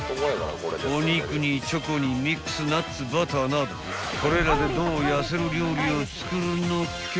［お肉にチョコにミックスナッツバターなどこれらでどう痩せる料理を作るのけ？］